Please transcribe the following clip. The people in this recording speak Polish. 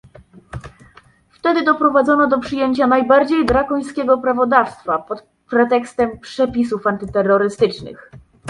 Wtedy doprowadzono do przyjęcia najbardziej drakońskiego prawodawstwa pod pretekstem przepisów antyterrorystycznych